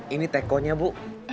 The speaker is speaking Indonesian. ini tekonya bu